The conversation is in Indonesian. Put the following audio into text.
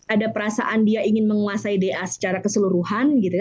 ada perasaan dia ingin menguasai da secara keseluruhan gitu ya